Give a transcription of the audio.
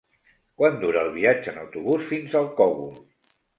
Quant dura el viatge en autobús fins al Cogul?